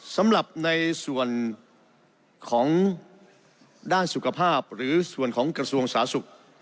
สำหรับในส่วนของด้านสุขภาพหรือส่วนของกระทรวงสาธารณสุข